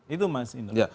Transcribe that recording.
itu mas indro